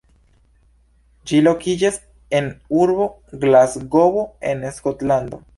Ĝi lokiĝas en urbo Glasgovo en Skotlando.